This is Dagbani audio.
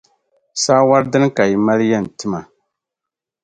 Saawɔr' dini ka yi mali yɛn ti ma?